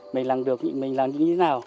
mình làm được thì mình làm như thế nào